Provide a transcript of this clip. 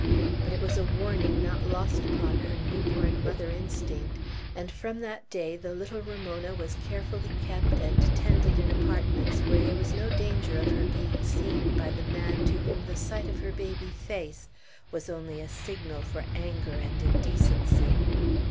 But it was a warning not lost upon her new born mother instinct, and from that day the little Ramona was carefully kept and tended in apartments where there was no danger of her being seen by the man to whom the sight of her baby face was only a signal for anger and indecency.